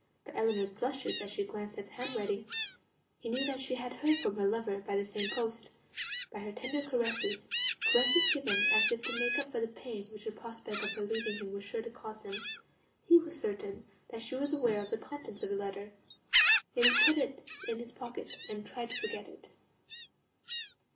By Ellinor's blushes, as she glanced at the handwriting, he knew that she had heard from her lover by the same post; by her tender caresses caresses given as if to make up for the pain which the prospect of her leaving him was sure to cause him he was certain that she was aware of the contents of the letter. Yet he put it in his pocket, and tried to forget it.